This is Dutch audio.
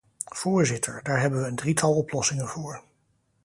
Voorzitter, daar hebben we een drietal oplossingen voor.